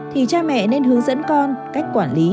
thì cha mẹ nên hướng dẫn con cách quản lý